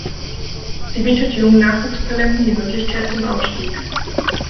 Sie bietet jungen Nachwuchstalenten die Möglichkeit zum Aufstieg.